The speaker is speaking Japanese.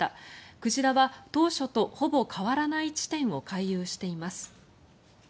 鯨は当初とほぼ変わらない地点を回遊しています。